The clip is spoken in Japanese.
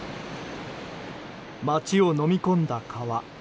町をのみ込んだ川。